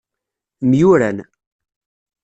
Myuran.